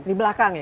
di belakang ya